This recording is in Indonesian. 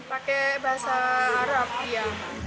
pakai bahasa arab ya